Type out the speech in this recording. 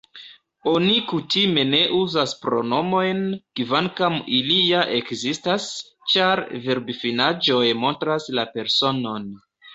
Oni kutime ne uzas pronomojn, kvankam ili ja ekzistas, ĉar verbfinaĵoj montras la personon.